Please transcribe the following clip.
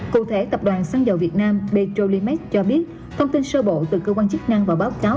cụ thể tập đoàn xăng dầu việt nam petrolimax cho biết thông tin sơ bộ từ cơ quan chức năng và báo cáo